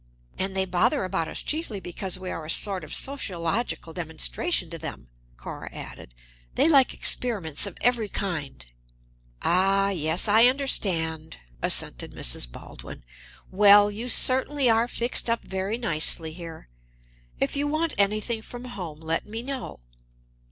"And they bother about us chiefly because we are a sort of sociological demonstration to them," Cora added. "They like experiments of every kind." "Ah, yes, I understand," assented Mrs. Baldwin. "Well, you certainly are fixed up very nicely here. If you want anything from home, let me know.